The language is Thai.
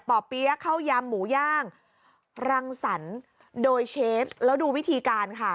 เปี๊ยะเข้ายำหมูย่างรังสรรค์โดยเชฟแล้วดูวิธีการค่ะ